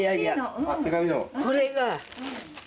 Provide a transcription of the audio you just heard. これが。